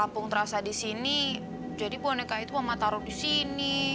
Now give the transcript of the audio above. bisa di sini jadi boneka itu mama taruh di sini